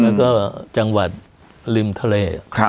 แล้วก็จังหวัดริมทะเล